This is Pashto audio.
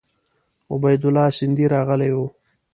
عبیدالله سیندهی راغلی وو.